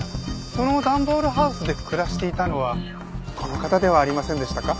その段ボールハウスで暮らしていたのはこの方ではありませんでしたか？